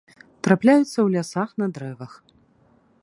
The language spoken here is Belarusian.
Трапляюцца ў лясах на дрэвах.